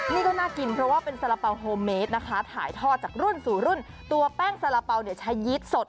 นี่ก็น่ากินเพราะว่าเป็นสาระเป๋าโฮเมดนะคะถ่ายทอดจากรุ่นสู่รุ่นตัวแป้งสาระเป๋าเนี่ยใช้ยี๊ดสด